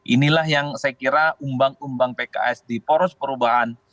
inilah yang saya kira umbang umbang pks di poros perubahan